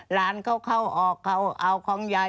หลานเขาเข้าออกเขาเอาของยาย